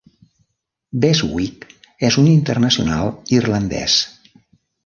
Beswick és un internacional irlandès.